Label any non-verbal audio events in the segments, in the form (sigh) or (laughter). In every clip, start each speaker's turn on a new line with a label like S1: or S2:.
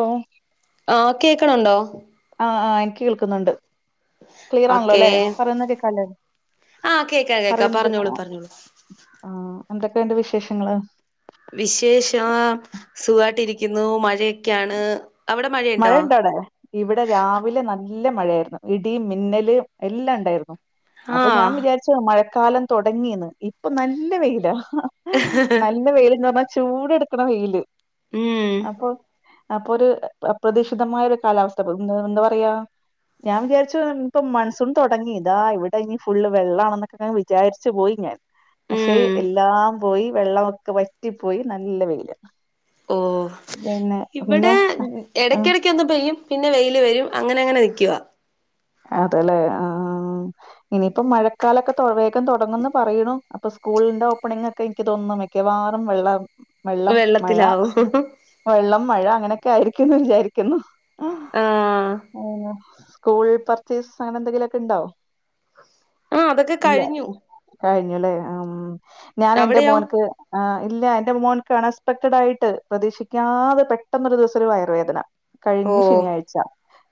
S1: ഓ
S2: കേക്ക് ണ്ണ്ടോ
S1: ആ ആ എനിക്ക് കേൾക്കുന്നുണ്ട് ക്ലിയറാണല്ലോ
S2: ഓക്കേ
S1: ല്ലേ പറയുന്നത് കേക്കാലേ
S2: ആഹ് കേക്കാം കേക്കാം
S1: പറയുന്നത്
S2: പറഞ്ഞോളൂ പറഞ്ഞോളൂ
S1: ആഹ എന്തൊക്കെഉണ്ട് വിശേഷങ്ങള്
S2: വിശേഷം സുഖായിട്ടിരിക്കുന്നു മഴയൊക്കെയാണ് അവിടെ
S1: മഴ
S2: മഴയുണ്ടോ
S1: ഉണ്ടോടെ ഇവിടെ രാവിലെ നല്ല നല്ല മഴയായിരുന്നു ഇടീം മിന്നല് എല്ലാം ഉണ്ടായിരുന്നു അപ്പൊ ഞാൻ
S2: ആഹ്
S1: വിചാരിചു മഴ കാലം തുടങ്ങിയന്ന് ഇപ്പൊ നല്ല വെയിലാ നല്ല വെയിലന്ന് പറഞ്ഞാ ചൂട് എടുക്കണ വെയ്ല്
S2: ഉം
S1: അപ്പൊ അപ്പൊര് അപ്രതീക്ഷിതമായ ഒരു കാലാവസ്ഥകൾ മോറെന്താപറയാ ഞാൻ വിചാരിച്ചു ഇപ്പൊ മൺസൂൺ തുടങ്ങി താ ഇവിടെ ഇ ഫുള്ള് വെള്ളാണെന്നൊക്കെ ഇങ്ങനെ വിചാരിച്ചു പോയി ഞാൻ പക്ഷെ
S2: ഉം
S1: എല്ലാം പോയി വെള്ളവൊക്കെ വറ്റിപ്പോയി നല്ല വെയ്ല്
S2: ഓ ഇവിടെ
S1: ആഹ്
S2: ഇടയ്ക്കിടക്ക്ഒന്ന് പെയ്യും പിന്നെ വെയ്ല് വരും അങ്ങനെ അങ്ങനെ നിക്കുവാ
S1: അതെല്ലെ ആഹ് ഇനിയിപ്പോ മഴക്കാലൊക്കെ വേഗംതൊടങ്ങന്ന് പറയൂണു അപ്പൊ സ്കൂളിന്റെ ഓപ്പണിങൊക്കെ എനിക്ക് തോന്നുന്നു മിക്കവാറും വെള്ളം വെള്ളം മഴ
S2: വെള്ളത്തിലാവും
S1: വെള്ളം മഴ അങ്ങനെ ആയിരിക്കുന്നു വിചാരിക്കുന്നു ആഹ
S2: ആഹ്
S1: അ സ്കൂൾ പർച്ചേസ് അങ്ങനെ എ ന്തെങ്കിലൊക്കെ ഉണ്ടോ
S2: ആഹ് അതൊക്കെ
S1: ഇല്ല
S2: കഴിഞ്ഞു
S1: കഴ്- അല്ലേ ആമ് ഞാൻ എന്റെ
S2: അവിടെയോ
S1: മോൻക്ക് ആ ഇല്ല എന്റെ മോന്ക്ക്‌ അനസ്പെക്ടഡ് ആയിട്ട് പ്രതീക്ഷിക്കാതെ പെട്ടന്നൊരു ദിവസം ഒരുവയറ് വേദന
S2: ഓഹ്
S1: കഴിഞ്ഞശനിയാഴ്ച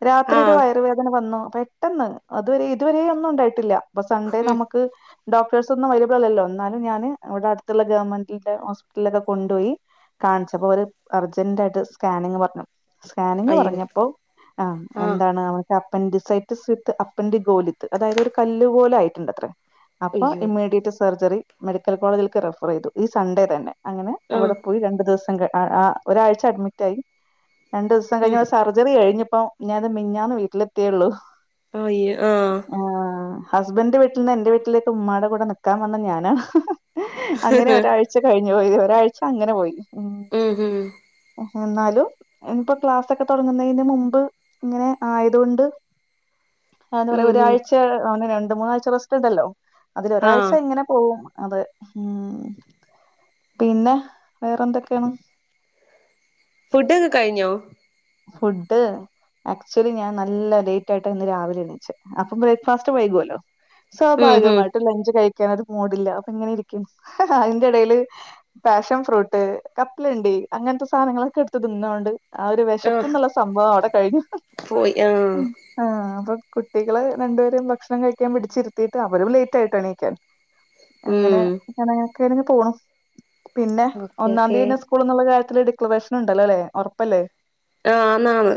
S1: രാത്രി ഒരു
S2: ആഹ്
S1: വയറുവേദന വന്നു പെട്ടെന്ന് അതുവരെ ഇതുവരെയൊ ന്നും ഉണ്ടായിട്ടില്ല അപ്പൊ സൺഡേ
S2: ഉം
S1: നമുക്ക് ഡോക്ടേഴ്സ് ഒന്നും അവൈലഅബ്ൾ അല്ലല്ലോ എന്നാലും ഞാന് അവ്ടെ അടുത്തുള്ള ഗവൺമെന്റിൽത്തെ ഹോസ്പിറ്റലിലൊക്കെ കൊണ്ടോയി കാണിച്ചപ്പോ അവര് അർജന്റായിട്ട് സ്കാനിങ് പറഞ്ഞു സ്കാനിങ്
S2: അയ്യോ
S1: പറഞ്ഞപ്പോ ആഹ
S2: ആഹ്
S1: എന്താണ് അവൻക്ക പെൻഡിസൈഡ് ദിസ് വിത്ത് അപ്പൻ്റി ഗോലിത്ത് അതായത് ഒരു കല്ല്ഗോൽ ആയിട്ടിണ്ടത്രേ. അപ്പ
S2: അയ്യോ
S1: ഇമ്മീഡിയറ്റ് സർജറി മെഡിക്കൽ കോളേജിലേക്ക് റെഫർ ചെയ്തു ഈ സൺഡേ തന്നെ. അങ്ങനെ അവട
S2: ആഹ്
S1: പോയി രണ്ടു ദിവസം കെട - ആ ആ ഒരാഴ്ച അഡ്മിറ്റായി രണ്ട് ദിവസം
S2: ഉം
S1: കഴിഞ്ഞാൽ സർജറി കഴിഞ്ഞു. ഇപ്പൊ ഞാനത് മിഞ്ഞാന്ന് വീട്ടിലെത്തിയേള്ളൂ.
S2: (unintelligible) ആഹ്
S1: ഹസ്ബൻന്റ വീട്ടീന്ന് എന്റെ വീട്ടിലേക്ക് ഉ്മ്മാട കൂടെ നിക്കാമ്മന്ന ഞാനാണ് അങ്ങിനെ ഒരാഴ്ച കഴിഞ്ഞു. (unintelligible) ഒരാഴ്ച അങ്ങന പോയി. ഉം.
S2: ഇം ഹ്
S1: എന്നാലും ഇനിപ്പ ക്ലാസ്സൊക്കെ തൊടങ്ങുന്നതിന് മുമ്പ് ഇങ്ങനെ ആയത്കൊണ്ട് എന്താ പറയാ
S2: ഉം ഹും
S1: ഒരാഴ്ച ഒന്ന് രണ്ട് മൂന്നാഴ്ച്ച റെസ്റ്റുണ്ടല്ലോ അതിലൊരാഴ്ച്ച
S2: ആഹ്
S1: ഇങ്ങനെ പോകും. അതെ ഊം പിന്ന വേറന്തൊക്കേണ്.
S2: ഫുഡക്കെ കഴിഞ്ഞോ
S1: ഫുഡ് ആക്ച്വലി ഞാൻ നല്ല ലേറ്റായിട്ടാ ഇന്ന് രാവിലെ എഴുന്നേച്ചെ അപ്പൊ ബ്രേക്ക്ഫാസ്റ്റ് വൈകുവല്ലോ.
S2: ഉം ഹും
S1: സൗഭാഗ്യമായിട്ട് ലഞ്ച് കൈ (unintelligible) മൂടില്ല അപ്പിങ്ങിനിരിക്കും അതിന്റെ എടേല് പാഷൻ ഫ്രൂട്ട്, കപ്പലണ്ടി അങ്ങനത്ത സാധനങ്ങളൊക്കെ എടുത്ത് തിന്നൊണ്ട് ആ ഒരു വേ
S2: ആഹ്
S1: ഇപ്പന്നുള്ള സംഭവം അവിടെ കഴിഞ്ഞു
S2: പോയി ആഹ്
S1: ഉം ആ അതൊ കുട്ടികള് രണ്ടുപേരേം ഭക്ഷണം കഴിക്കാൻ പിടിച്ചിരുത്തീട്ട് അവരും ലേറ്റ് ആയിട്ടാ എണീക്കാൻ. അങ്ങന
S2: ഉം
S1: (unintelligible) (unintelligible) പോണം. പിന്നെ
S2: ഓക്കെ ഓക്കെ
S1: ഒന്നാതീയന്നേ സ്കൂളെന്നുള്ള കാര്യ (unintelligible) ഡിക്ലറേഷൻ ഇണ്ടല്ലോല്ലെ ഒറപ്പല്ലേ
S2: ആ ന്നാന്ന്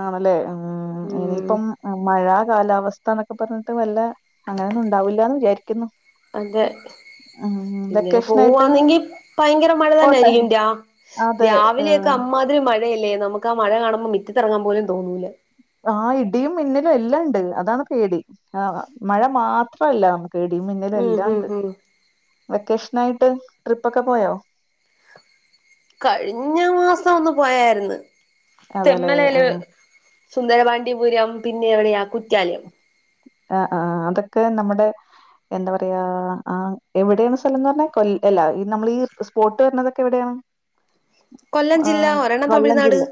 S1: ആണ്ലേ ഉം ഉം ഇനിയിപ്പം ഉം മഴ കാലാവസ്ഥാന്നൊക്കെ പർഞ്ട്ട് വല്ല അങ്ങനെന്നുണ്ടാവുല്ലാന്ന് വിചാര് ക്ക്ന്നു
S2: അതെ പിന്നെന്
S1: വെക്കേഷനായിട്ട്
S2: പോവാന്നെങ്കി ഭയ്ങ്കര മഴ
S1: പോട്ടെ
S2: തന്നായ്രിക്കും രാ
S1: അതെ
S2: രാവിലെയൊക്കെ
S1: ഏഹ്,
S2: അമ്മാതിരി മഴയല്ലേ നമുക്ക് ക്ക മഴ കാണുമ്പോ മിറ്റത്തിറങ്ങാൻ പോലും തോന്നൂല
S1: ആ ഇടിയും മിന്നലും എല്ലാണ്ട് അതാണ് പേടി ആ മഴ മാത്രല്ല ടി മിന്നല്
S2: ഉം ഹും
S1: എല്ലാണ്ട്
S2: ഹും
S1: വെക്കേഷ് നൈട്ട് ട്രിപ്പൊക്കെ പോയോ
S2: കഴിഞ്ഞ മാസം ഒന്ന് പോയാര്ന്ന്
S1: അതെ ലേ ആഹ്
S2: സുന്ദരപാണ്ടിപുരം പിന്നെ എവിടെയാ കുറ്റാലിയം
S1: ആ ആ അതൊക്കെ നമ്മടെ എന്താ പറയാ ആ എവിടേണ് സ്ഥലന്ന് പർഞ്ഞെ കൊൽ അല്ല ഈ നമ്മള് ഈ സ്പോട്ട് വര്ണതൊക്കെ എവിടെയാണ്
S2: കൊല്ലം
S1: ആ
S2: ജില്ല ഒരെണ്ണം
S1: കൊല്ലം
S2: തമിഴ്നാട്
S1: ജില്ല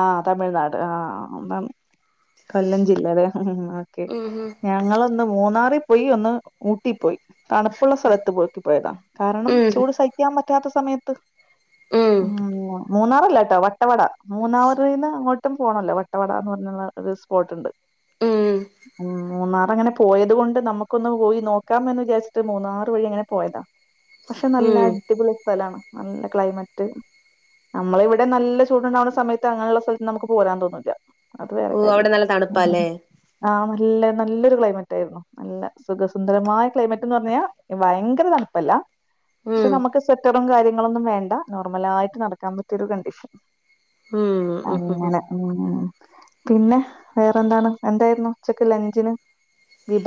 S1: ആ തമിഴ്നാട് ആ അതാണു കൊല്ലം ജില്ലലെ
S2: ഉം
S1: ഞങ്ങളന്ന് മൂന്നാറി പോയിവന്ന് ഊട്ടീപ്പോയി തണുപ്പ്‌ള്ള സ്ഥലത്ത് (unintelligible) നോക്കി പോയതാ കാരണം
S2: ഉം
S1: ചൂട് സഹിക്കാൻ പറ്റാത്ത സമയത്ത് ഉം ഉം മൂന്നാറല്ലാട്ടോ വട്ടവട മൂന്നാറിന്നങ്ങോ ത്തം പോണല്ലോ വട്ടവട എന്ന് പറഞ്ഞുള്ള ഒരു സ്പോട്ടിണ്ട്
S2: ഉം ഉം
S1: ഉം മൂന്നാറങ്ങനെ പോയത് കൊണ്ട് നമുക്കൊന്ന് പോയി നോക്കാമെന്ന് വിചാരിച്ചിട്ട് മൂന്നാറ് വഴി അങ്ങനെ പോയതാ പക്ഷെ നല്ല
S2: ഉം
S1: അടിപൊളി സ്ഥലാണ്. നല്ല ക്ലൈമറ്റ് നമ്മളെ ഇവിടെ നല്ല ചൂടുണ്ടാവുന്ന സമയത്ത് അങ്ങനെയുള്ള സ്ഥലത്ത് നമുക്ക് പോരാൻ തോന്നൂല്യ
S2: ഓ അവിടെ നല്ല തണുപ്പാല്ലേ?
S1: ആ നല്ല നല്ലൊരു ക്ലൈമറ്റാരുന്നു നല്ല സുഖസുന്ദരമായ ക്ലൈമറ്റ് എന്ന് പറഞ്ഞ് കഴിഞ്ഞാ ഭയങ്കര തണുപ്പല്ല പക്ഷെ
S2: ഉം
S1: നമ്മക്ക് സെറ്റപ്പ് റ്റും കാര്യങ്ങളൊന്നും വേണ്ട നോർമലായിട്ട് നടക്കാൻ പറ്റിയൊരു കണ്ടീഷൻ
S2: ഉം ഉം
S1: അങ്ങനെ ഉം പിന്നെ വേറെന്താണ് എന്തായി ഇന്ന് ഉച്ചക്ക് ലഞ്ചിന് വിഭ്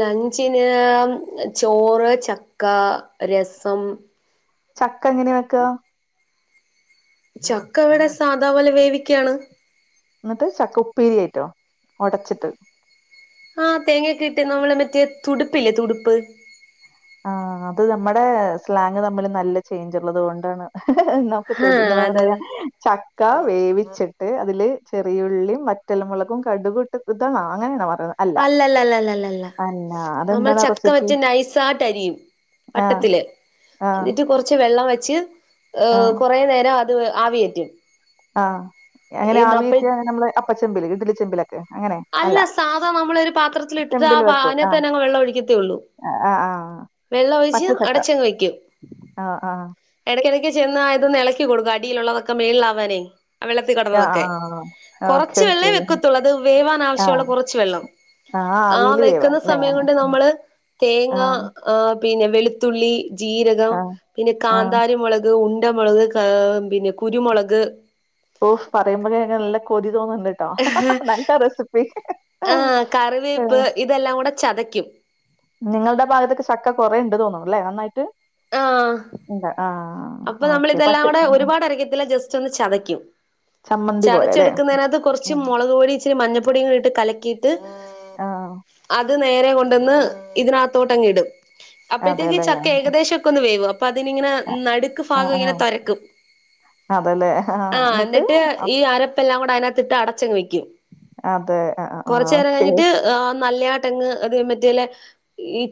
S2: ലെഞ്ചിന് ചോറ് ചക്ക് ക്കാ, രസം
S1: ചക്ക എങ്ങനെയാ വെക്കാ
S2: ചക്ക ഇവിടെ സാദാപോലെ വേവിക്കയാണ്
S1: എന്നിട്ട് ചക്ക ഉപ്പേരി ആയിട്ടോ ഒടച്ചിട്ട്,
S2: ആ തേങ്ങയൊക്കെ ഇട്ട് നമ്മടെ മറ്റേ തുടുപ്പില്ലേ തുടുപ്പ്?
S1: ആ അത് നമ്മുടെ സ്ലാങ് തമ്മിൽ നല്ല ചേയ്ഞ്ചുള്ളത് കൊണ്ടാണ്. നമുക്ക്
S2: ആഹ്
S1: തൊടും എന്ത
S2: അതെ
S1: പറയാ
S2: അതെ
S1: ചക്ക വേവിച്ചിട്ട് അതില് ചെറിയുള്ളിയും വറ്റൽമുളകും കടുകിമിട്ട് ഇത നാളെയാണോ
S2: അല്ലല്ലല്ലല്ലല്ലല്ല നമ്മൾ
S1: അതെന്താണ് ആ
S2: ചക്ക
S1: റെസിപ്പി?
S2: വച്ച് നൈസായിട്ട് അരിയും
S1: ആഹ്,
S2: വട്ടത്തിൽ
S1: ആഹ്,
S2: എന്നിട്ട് കുറച്ച് വെള്ളം വെ ച്ച് ഏഹ്
S1: ആഹ്,
S2: കുറെ നേരം അ ത് ആവി കേറ്റും.
S1: ആഹ്‌ അങ്ങനെ ആവി കേറ്റിയ നമ്മള് അപ്പചെമ്പില് ഇഡ്ഡലി ചെമ്പിലാ
S2: അല്ല സാധാ നമ്മളൊരു പാത്രത്തിലിട്ടിട്ട് ആ
S1: ചെമ്പില് വെക്കും. ആഹ്,
S2: അതിനകത്തന്നെ അങ്ങ് വെള്ളം ഒഴിക്കത്തേയുള്ളൂ.
S1: ആഹ്, ആഹ്.
S2: വെള്ളം ഒഴിച്ച്
S1: പച്ചച്ചക്ക.
S2: അടച്ചങ്ങ് വെക്കും.
S1: ആഹ്, ആഹ്.
S2: ഇടക്കിടയ്ക്ക് ചെന്ന ഇതൊന്നു വെള്ളത്തിൽ
S1: ആഹ്,
S2: കടന്നൊതൊക്കെ
S1: ആഹ്. ഓക്കെ,
S2: കുറച്ച് വെള്ളമേ
S1: ഓക്കെ.
S2: വെക്കത്തുള്ളൂ അത് വേവാൻ ആവശ്യമുള്ള
S1: ആഹ്,
S2: കുറച്ച് വെള്ളം
S1: ആഹ്
S2: ആ
S1: ആവിയില് വേവാൻ
S2: വെക്കുന്ന
S1: ല്ലേ?
S2: സമയം കൊണ്ട് നമ്മള് തേങ്ങ
S1: ആഹ്,
S2: പിന്നെ വെളു ത്തുള്ളി ജീരകം
S1: ആഹ്,
S2: പിന്നെ
S1: ആഹ്.
S2: കാന്താരി മുളക് ഉണ്ടമുളക് കാ ആ പിന്നെ കുരുമുളക്
S1: ഓഹ് പറയുമ്പോ തന്നെ നല്ല കൊ തോന്നിട്ടോ നല്ല റെസിപ്പി
S2: ആഹ്
S1: ആഹ്.
S2: കറിവേപ്പ് ഇതെല്ലാം കൂടെ ചതക ക്കും
S1: നിങ്ങളുടെ ഭാഗത്തൊക്കെ ചക്ക കുറേണ്ട് തോന്നുണു അല്ലെ നന്നായിട്ട്
S2: ആ
S1: ഇണ്ട്. ആഹ്,
S2: അപ്പൊ നമ്മൾ
S1: ഓക്കെ.
S2: ഇതെല്ലാം
S1: പച്ച
S2: കൂടെ ഒരുപാട് അരക്കത്തില്ല ജസ്റ്റ് ഒന്ന് ചതയ്ക്കും
S1: ചമ്മന്തി പോലെ ല്ലേ?
S2: ചതച്ചെടുക്കുന്നതിനതിനകത്ത് കുറച്ച്
S1: ഉം.
S2: മുളക് പൊടീ ഇച്ചിരി മഞ്ഞ പൊടികൾ ഇട്ട് കലക്കീട്ട് ത്
S1: ആഹ്.
S2: അത് നേരെ കൊണ്ടുവന്ന് ഇതിനകത്തോട്ട് അങ് ഇടും അപ്പഴത്തേക്ക്
S1: അതെല്ലേ.
S2: ചക്ക ഏകദേശം വേവും അപ്പോ അതിങ്ങനെ
S1: അ
S2: നടുക്ക്
S1: ആ
S2: ഭാഗം
S1: ആ.
S2: ഇങ്ങനെ തൊരക്കും ആ എന്നിട്ട് ഈ അരപെല്ലാം കൂടെ അ അതിനകത്തിട്ട് അടച്ചങ് വെക്കും
S1: അതെ. അ അ ആ
S2: കൊറച്ചു
S1: ആ,
S2: നേരം
S1: ഓക്കെ.
S2: കഴിഞ്ഞിട്ട് നല്ല ആട്ടങ്ങ് അത് മറ്റേല് ഈ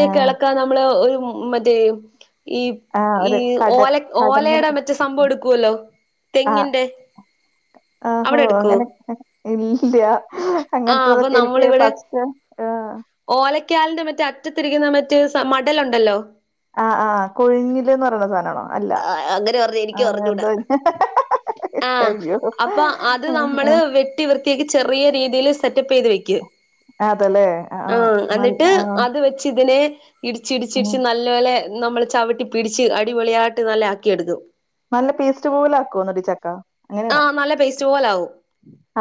S1: ആ.
S2: ഇളക്കാൻ നമ്മള് ഒരു മറ്റേ (inaudible) ഈ
S1: ആ
S2: ഈ
S1: ഒരു കട
S2: ഓല ഓലയുടെ
S1: കടഞ്ഞെടുക്ക
S2: മറ്റേ സംഭവം എടുക്കുവല്ലോ
S1: ആ.
S2: തെങ്ങിന്റെ അവിടെ എടുക്കുവോ
S1: ഇല്ല്യാ അങ്ങനത്തതൊക്കെ എനിക്ക്
S2: നമ്മളിവിടെ
S1: ഫസ്റ്റ് ആ
S2: ക്കാലിന്റെ മറ്റേ അറ്റത്തിരിക്കുന്ന മറ്റേ മടലുണ്ടല്ലോ
S1: ആ ആ കൊഴിഞ്ഞില്ന്ന് പറയുന്ന സാധനമാണോ
S2: ആ അങ്ങനെ പറഞ്ഞ എനിക്കും അറിഞ്ഞൂടാ ആ
S1: അയ്യോ!
S2: അപ്പൊ അത്
S1: ആഹ്
S2: നമ്മള്
S1: ആഹ്.
S2: വെട്ടി വൃത്തിയാക്കി ചെ റിയ രീതിയിൽ സെറ്റപ്പ് ചെയ്ത് വെയ്ക്കും
S1: അതല്ലേ.
S2: ആ
S1: നല്ല
S2: എന്നിട്ട്
S1: ആ.
S2: അത് വെച്ച് ഇതിനെ ഇടിച്ച്
S1: ഉം.
S2: ഇടച്ചിടിച്ച് നല്ലപോലെ നമ്മള് ചവിട്ടി പിടിച്ച് അടിപൊളിയാ നല്ല ആക്കിയെടുക്കും
S1: നല്ല പേസ്റ്റ് പോലെ ആക്കുവോന്നിട്ട് ഈ ചക്ക അങ്ങനെയാണോ
S2: പോലാവും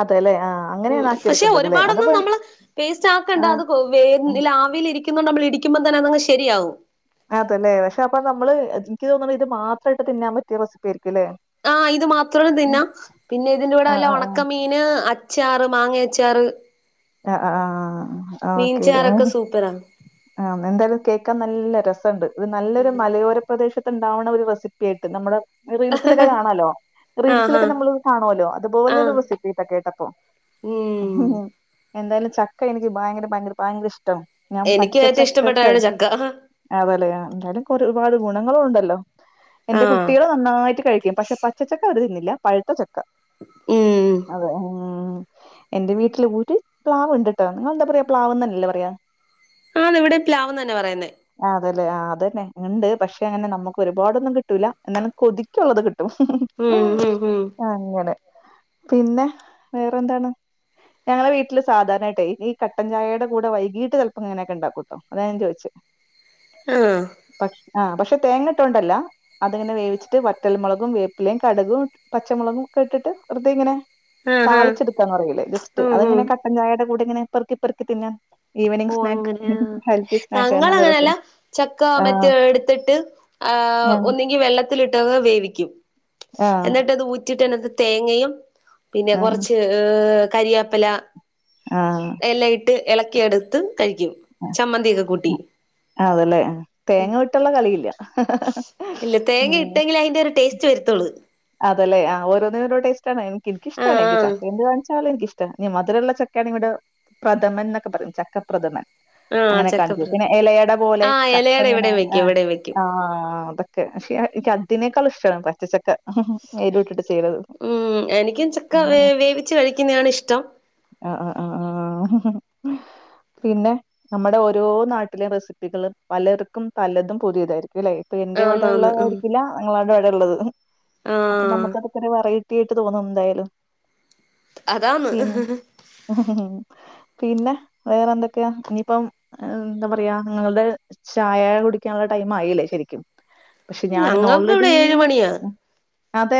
S1: അതെല്ലേ. ആ
S2: മ്
S1: അങ്ങനെയാണ് ആക്കി
S2: പക്ഷെ
S1: എടുക്കേണ്ടത് ല്ലേ?
S2: ഒരുപാടൊന്നും
S1: അതപ്പോ
S2: നമ്മള് പേസ്റ്റ് ആക്കണ്ട
S1: ആ
S2: അത് വ
S1: ആ.
S2: ആവിൽ ഇരിക്കുന്നുണ്ട് നമ്മൾ ഇടിക്കുമ്പോ തന്നെ ശെ ശരിയാവും
S1: അതേല്ലെ പക്ഷെ അപ്പൊ നമ്മള് എനിക്ക് തോന്നണ് ഇത് മാത്രമായിട്ട് തിന്നാൻ പറ്റിയ റെസിപ്പി ആയിരി
S2: ആ ഇത് മാത്രവും തിന്നാം പിന്നെ ഇതിന്റൂടെ
S1: ആഹ്
S2: വല്ല
S1: ആഹ് ആഹ്.
S2: ഉണക്കമീന് അച്ചാ ച്ചാറ് മാങ്ങ അച്ചാറ്
S1: ആ ആ ഓക്കെ
S2: മീൻചാറൊക്കെ സൂപ്പറാ
S1: ആ എന്തായാലും കേൾക്കാൻ നല്ല രസ്‌ണ്ട് ഇത് നല്ലൊരു മലയോര പ്രദേശ ത്തുണ്ടാവുണ ഒരു റെസിപ്പിയായിട്ട് നമ്മുടെ റീൽസിലൊക്കെ കാണാലോ
S2: ആഹാ
S1: റീൽസിലൊക്കെ നമ്മൾ കാണുല്ലോ അതുപോലൊരു
S2: ആഹ്
S1: റെസിപ്പിട്ടൊ കേട്ടപ്പോ
S2: ഉം
S1: എന്തായാലും ചക്ക എനിക്ക് ഭയങ്കര ഭയങ്കര ഭയങ്കര ഇഷ്ടന് ഞാൻ
S2: എനിക്ക് ഏറ്റവും
S1: പച്ചച്ചക്കക്കെ
S2: ഇഷ്ടപ്പെട്ടാണ് ചക്ക
S1: അതല്ല എതായാലും ഒരുപാട് ഗുണങ്ങളുമുണ്ടല്ലോ ഹലോ എന്റെ
S2: ആഹ്
S1: കുട്ടികള് നന്നായിട്ട് കഴിക്കും പക്ഷെ പച്ചച്ചക്ക അവര് തിന്നി ഇല്ല പഴുത്ത ചക്ക
S2: ഉം
S1: അതെ മ് എന്റെ വീട്ടില് പൊ പ്ലാവ് ഉണ്ടട്ട നിങ്ങെന്താ പറയാ പ്ലാവ്ന്നല്ലേ പറയാ
S2: ആന്ന് ഇവിടെ പ്ലാവ് തന്നെ പറയുനേ
S1: അല്ലെ അതന്നെ ഉണ്ട് പക്ഷെ അങ്ങനെ നമുക്ക് ഒരുപാടൊന്നും കിട്ടുല്ല എന്നാല് കൊതുക്കുള്ളത് കിട്ടും കിട്ടും
S2: ഉം ഉം ഉം
S1: അങ്ങനെ പിന്നെ വേറെ എന്താണ് ഞങ്ങളെ വീട്ടില് സാധാരണയട്ട് ഈ കട്ടൻചായയുടെ കൂടെ വൈകീട്ട് ചിലപ്പം ഇങ്ങനെയൊക്കെ ഉണ്ടാക്കൂട്ടോ അതാഞാൻ ചോദിചെ
S2: ആ
S1: ആ പക്ഷെ തേങ്ങട്ടുണ്ടല്ലോ അതിങ്ങനെ വേവിച്ചിട്ട് വറ്റൽമുളകും വേപ്പിലയും കടുകും പച്ചമുളകും ഒക്കെ ഇട്ടിട്ട് വെറുതെ ഇങ്ങനെ
S2: ആഹ് ആഹ്
S1: താളിച്ചെടുക്കാന്ന പറയിയില്ലേ ജസ്റ്റ്
S2: ഉം ഉം
S1: അതങ്ങനെ കട്ടചായ കൂടെങ്ങനെ പെറുക്കി പെറുക്കി തിന്നാൻ ഈവനിങ്
S2: ഓ
S1: സ്നാക്ക്
S2: അങ്ങനെയ
S1: ഹെൽത്തി സ്നാക്ക്
S2: ഞങ്ങൾ
S1: നല്ല രസം
S2: അങ്ങനെയല്ല ചക്ക മറ്റേ
S1: ആഹ്
S2: എടുത്തിട്ട് ആ
S1: ആഹ്
S2: ഒന്നെങ്കി വെള്ളത്തി ഇട്ട് വേവിക്കും എന്നിട്ട് അത് ഊറ്റി ഊറ്റിയിട്ട് തേങ്ങയും പിന്നെ
S1: ആഹ്
S2: കുറച്ച് ങ് കരിയാപ്പല എല്ല ഇട്ട് ഇള ക്കിയെടു ത്ത്
S1: അതെല്ലേ ആഹ് തേങ്ങ വിട്ട്ള്ള കളിയില്ല.
S2: ഇല്ല തേങ്ങ ഇട്ടെങ്കിൽ അതിന്റെ ഒരു ടേസ് റ്റ് വരുത്തോള്
S1: അതല്ലെ ആഹ് ഓരോന്നിന് ഓരോ ടേസ്റ്റാണ് എനിക്കിഷ്ടണ്
S2: ആഹ്
S1: ചക്ക എന്ത് കാണി ചക്ക എനിക്ഷ്ട മധുരമുള്ള ചക്കയാണെവിടെ പ്രഥമൻ എന്നൊക്കെ പറയും ചക്കപ്രഥമൻ
S2: ആഹ് ആഹ്
S1: അങ്ങനെ കാണിക്ക
S2: ചക്കപ്ര
S1: പിന്നെ ഇലയട പോലെ
S2: ആഹ് ഇലയട
S1: ചക്കങ്ങെ
S2: ഇവിടെയും വെക്കും
S1: ആഹ്
S2: ഇവിടെയും വെക്കും
S1: ആഹ് അതൊക്കെ പക്ഷ എനിക്ക് അതിനേക്കാളും ഇഷ്ടമാണ് പച്ചചക്ക നേയിലോട്ട് ചെയ്ത്
S2: ഉം എനിക്കും ചക്ക വേവിച്ച് കഴിക്കുന്നതാണ് ഇഷ്ടം
S1: അ ആഹ് ആഹ് പിന്നെ നമ്മുടെ ഓരോ നാട്ടിലേം റെസിപ്പികള് പലർക്കും പല്ലതും പുതിതായിരിക്കും ല്ലേ? അപ്പൊ എന്റെ ഇവിടെ
S2: ആന്നാന്ന് ഉം
S1: ഉള്ളതായിരിക്കില്ല നിങ്ങളാടെ അവിടെ ഉള്ളത് അപ്പൊ
S2: ആഹ്
S1: നമ്മുക്കതക്കെ വർ ട്ട് തോന്നുന്നുന്തായാലും
S2: അതാന്ന് ഹ് ഹ്
S1: പിന്നെ വേറെ ന്തൊക്കെയാ ഇനിയിപ്പം എന്താ പറയാ നിങ്ങൾത് ചായ കുടിക്കാനുള്ള ടൈം മായില്ലേ ശെരിക്കും.
S2: ഞങ്ങക്ക് വടെ ഏഴ് മണ്യാ.
S1: അതെ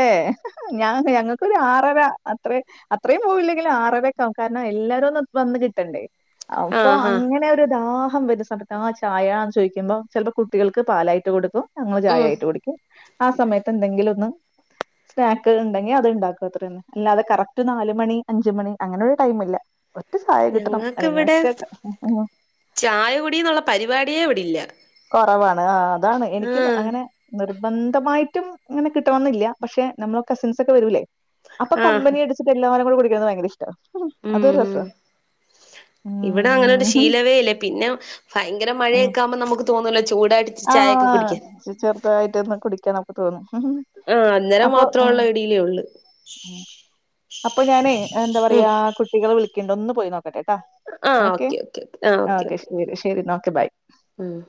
S1: ഞ ഞങ്ങക്കൊരു ആറര അത്ര അത്രയും പോവില്ലെങ്കിലും ആറരെക്കാവും കാരണം എല്ലാരും ഒന്ന് വന്ന് കിട്ടണ്ടേ. അപ്പൊ
S2: ആഹാ
S1: അങ്ങനൊരു താ ഹം (unintelligible) താ ചായ ന്ന് ചോയികുമ്പം ചെല് പ്പം കുട്ടികൾക്ക് പാലായിട്ട് കൊടുക്കും ഞങ്ങൾ
S2: ഉം
S1: ചായായിട്ട് കുടിക്കും. ആ സമയത്ത് എന്തെങ്കിലൊ ന് സ്നാക്ണ്ടെങ്കി അത്ണ്ടാകും അത്രന്നെ അല്ലാതെ കറക്റ്റ് നാല്മണി അഞ്ച്മണി അങ്ങനൊരു ടൈമില്ല. ഒറ്റ ചായ കിട്ടണം
S2: ഞങ്ങക്ക്
S1: അല്ലെങ്കിൽ
S2: ഇവടെ
S1: ഒറ്റ ക- ഉം
S2: ചായ കുടീന്ന്ള്ള പരി വാട്യേ ഇവടില്ല
S1: കൊറവാണ് ആഹ് അതാണ് എനിക്ക് അങ്ങനെ നിർ ബന്ധമായിട്ടും ഇങ്ങനെ കിട്ടണന്നില്ല പക്ഷേ നമ്മളെ കസിൻസൊകെ വരൂല്ലേ അപ്പം
S2: ആഹ്
S1: കമ്പനിയടിചിട്ട് എല്ലാ (unintelligible) (unintelligible) പഠിക്കുന്നെ ഭയങ്കരിഷ്ട
S2: ഉം ഉ ഇവിടെ അങ്ങനെ ഒരു
S1: ഉം
S2: ശീലവേ ഇല്ലേ പിന്നെ ഭയങ്കര മഴയൊക്കെകാവുംബം നമുക്കു തോന്നൂല്ലേ ചു
S1: ആഹ് ചെറുതായിട്ട് ഒന്ന് കുടിക്കണം അപ്പോതോന്നും ഉം
S2: ആഹ് അന്നേരം
S1: അപ്പൊ ആ
S2: മാത്രമുള്ള ഇടിയിലേ ഉള്ളു
S1: അപ്പൊ ഞാന് എന്താ
S2: ഉം
S1: പറയാ കുട്ടികളെ വിളി കിണ്ട് ഒന്ന് പോയി നോ ക്കട്ടെട്ടോ
S2: ആഹ്
S1: ഓകെ
S2: ഓക്കെ ഓക്കെ ഓക്കെ ആഹ്
S1: ആ
S2: ഓക്കെ
S1: ഓകെ
S2: ഓക്കെ
S1: ശരി ശരി ന്നാ ഓകെ ബൈ
S2: ഉം